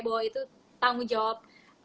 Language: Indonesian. bahwa itu tanggung jawab